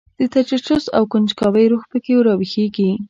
د تجسس او کنجکاوۍ روح په کې راویښېږي.